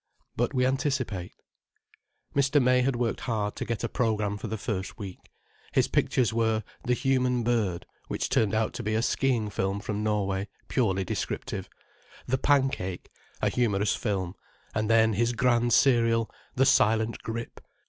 But we anticipate. Mr. May had worked hard to get a program for the first week. His pictures were: "The Human Bird," which turned out to be a ski ing film from Norway, purely descriptive; "The Pancake," a humorous film: and then his grand serial: "The Silent Grip."